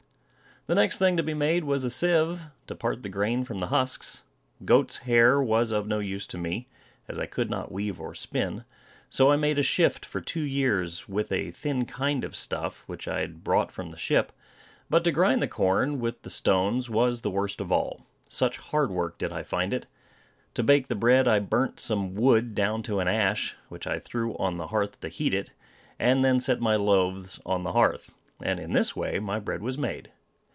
The next thing to be made was a sieve, to part the grain from the husks. Goat's hair was of no use to me, as I could not weave or spin; so I made a shift for two years with a thin kind of stuff, which I had brought from the ship. But to grind the corn with the stones was the worst of all, such hard work did I find it. To bake the bread I burnt some wood down to an ash, which I threw on the hearth to heat it, and then set my loaves on the hearth, and in this way my bread was made.